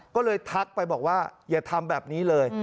ก็เลยทักไปบอกว่าอย่าทำแบบนี้เลย